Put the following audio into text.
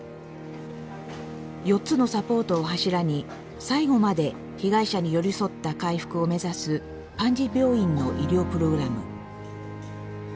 ４つのサポートを柱に最後まで被害者に寄り添った回復を目指すパンジ病院の医療プログラム。